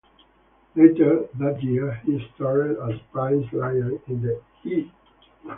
Later that year, he starred as Prince Liam in the E!